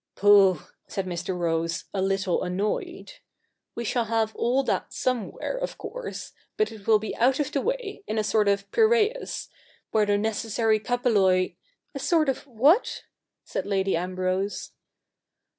' Pooh !' said Mr. Rose, a little annoyed, ' we shall have all that somewhere, of course : but it will be out of the way, in a sort of Piraeus, where the necessary KaTrrjXoL '' A sort of what ?' said Lady Ambrose.